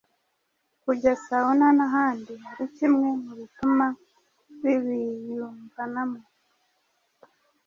kujya Sauna n’ahandi ari kimwe mu bituma bibiyumvanamo